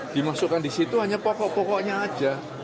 dimasukkan di situ hanya pokok pokoknya saja